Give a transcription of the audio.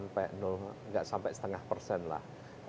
tidak sampai setengah persen lah